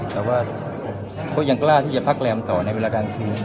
แต่ว่าก็ยังกล้าที่จะพักแรมต่อในเวลากลางคืน